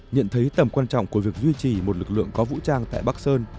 nhận thấy tầm quan trọng của việc duy trì một lực lượng có vũ trang tại bắc sơn